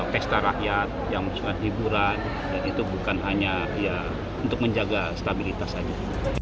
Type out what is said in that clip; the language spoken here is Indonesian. pesta rakyat yang hiburan dan itu bukan hanya ya untuk menjaga stabilitas saja